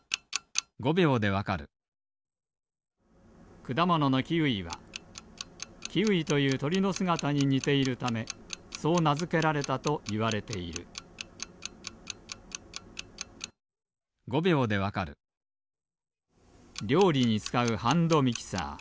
くだもののキウイはキーウィというとりのすがたににているためそうなづけられたといわれているりょうりにつかうハンドミキサー。